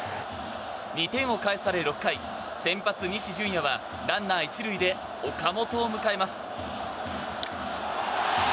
２点を返され６回先発、西純矢はランナー１塁で岡本を迎えます。